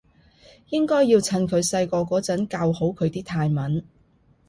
應該要趁佢細個嗰陣教好佢啲泰文